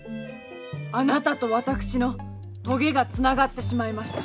あなたと私のとげがつながってしまいました。